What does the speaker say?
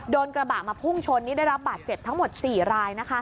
กระบะมาพุ่งชนนี่ได้รับบาดเจ็บทั้งหมด๔ราย